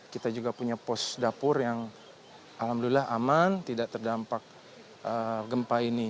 kita juga punya pos dapur yang alhamdulillah aman tidak terdampak gempa ini